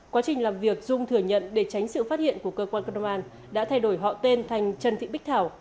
quá trình làm việc dung thừa nhận để tránh sự phát hiện của cơ quan công an đã thay đổi họ tên thành trần thị bích thảo